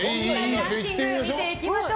ランキング見てみましょう。